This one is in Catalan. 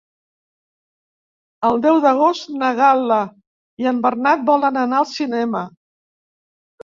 El deu d'agost na Gal·la i en Bernat volen anar al cinema.